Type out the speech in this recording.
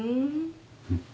うん。